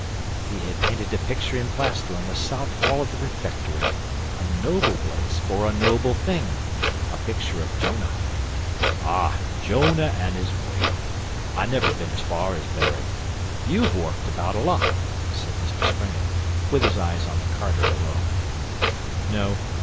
He had painted a picture in plaster on the south wall of the Refectory a noble place for a noble thing a picture of Jonah.' 'Ah! Jonah an' his whale. I've never been as far as Bury. You've worked about a lot,' said Mr Springett, with his eyes on the carter below. 'No.